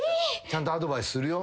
ちゃんとアドバイスするよ。